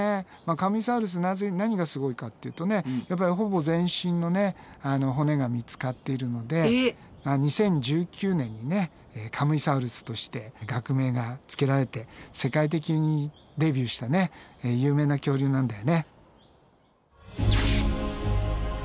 カムイサウルス何がすごいかっていうとねほぼ全身の骨が見つかってるので２０１９年にねカムイサウルスとして学名がつけられて世界的にデビューした有名な恐竜なんだよね。